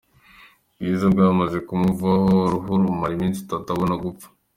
bwiza, bamaze kumuvanaho uruhu amara iminsi itatu abona gupfa.